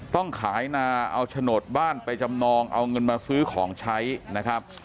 ต้องขายนาเอาโฉนดบ้านไปจำนองเอาเงินมาซื้อของใช้นะครับ